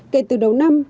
kể từ đầu năm